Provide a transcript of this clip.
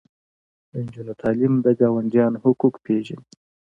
د نجونو تعلیم د ګاونډیانو حقوق پیژني.